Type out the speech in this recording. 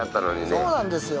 そうなんですよ。